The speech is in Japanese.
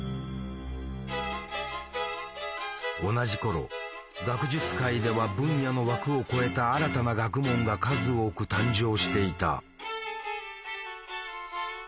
同じ頃学術界では分野の枠を超えた新たな学問が数多く誕生していた。